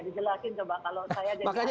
dijelasin coba kalau saya jadi